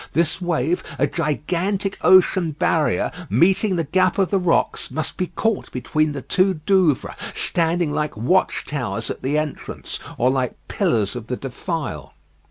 This wave, a gigantic ocean barrier, meeting the gap of the rocks, must be caught between the two Douvres, standing like watch towers at the entrance, or like pillars of the defile.